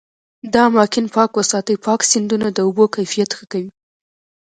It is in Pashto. دا اماکن پاک وساتي، پاک سیندونه د اوبو کیفیت ښه کوي.